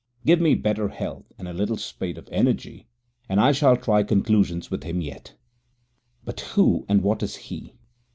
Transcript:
Give me better health and a little spate of energy, and I shall try conclusions with him yet. But who and what is he?